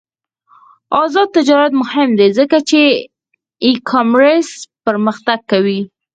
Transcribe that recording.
آزاد تجارت مهم دی ځکه چې ای کامرس پرمختګ کوي.